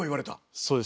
そうです。